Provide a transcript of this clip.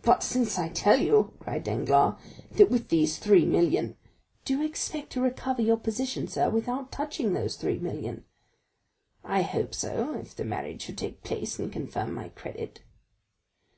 "But since I tell you," cried Danglars, "that with these three million——" "Do you expect to recover your position, sir, without touching those three million?" "I hope so, if the marriage should take place and confirm my credit."